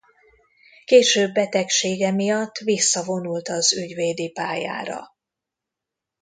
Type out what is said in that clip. Később betegsége miatt visszavonult az ügyvédi pályára.